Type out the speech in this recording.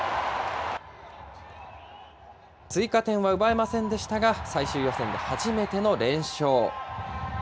追加点は奪えませんでしたが、最終予選で初めての連勝。